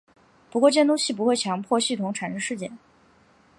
不过监督器不会强迫系统产生事件。